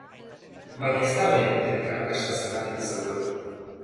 Baina ez dago jakiterik arrakasta zergatik izan duen.